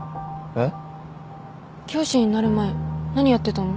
えっ？